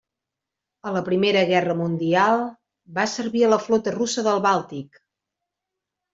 A la Primera Guerra Mundial, va servir a la flota russa del Bàltic.